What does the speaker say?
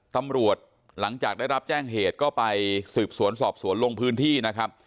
ตำรวจหลังจากได้รับแจ้งเหตุก็ไปสืบสวนสอบสวนลงพื้นที่นะครับ